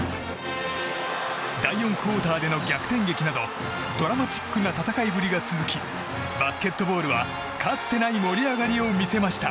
第４クオーターでの逆転劇などドラマチックな戦いぶりが続きバスケットボールは、かつてない盛り上がりを見せました。